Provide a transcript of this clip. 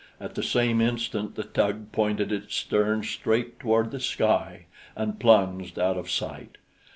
At the same instant the tug pointed its stern straight toward the sky and plunged out of sight.